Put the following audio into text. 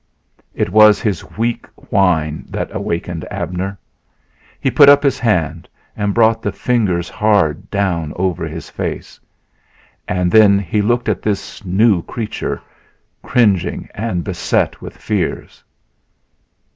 It was his weak whine that awakened Abner. He put up his hand and brought the fingers hard down over his face, and then he looked at this new creature, cringing and beset with fears.